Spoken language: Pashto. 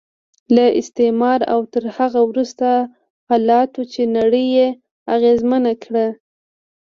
لکه استعمار او تر هغه وروسته حالاتو چې نړۍ یې اغېزمنه کړه.